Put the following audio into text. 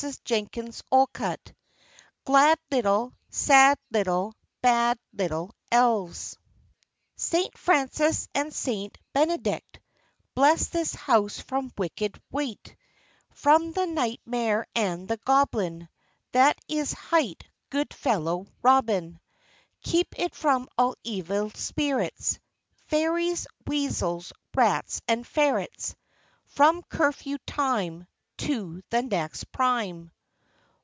William Allingham GLAD LITTLE, SAD LITTLE, BAD LITTLE ELVES _Saint Francis and Saint Benedict, Bless this house from wicked wight; From the Night mare and the Goblin That is hight Good Fellow Robin; Keep it from all evil spirits, Fairies, weasels, rats, and ferrets, From curfew time To the next prime.